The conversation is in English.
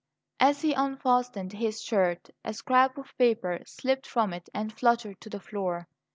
As he unfastened his shirt a scrap of paper slipped from it and fluttered to the floor.